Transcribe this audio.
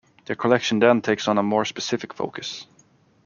Their collection then takes on a more specific focus.